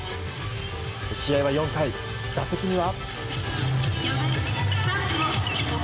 試合は４回、打席には。